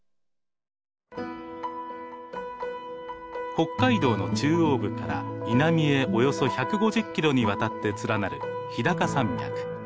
北海道の中央部から南へおよそ１５０キロにわたって連なる日高山脈。